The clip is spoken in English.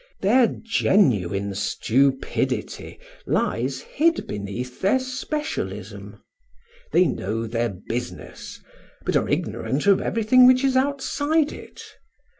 Their genuine stupidity lies hid beneath their specialism. They know their business, but are ignorant of everything which is outside it.